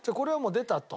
出たと。